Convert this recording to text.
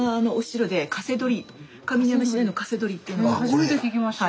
初めて聞きました。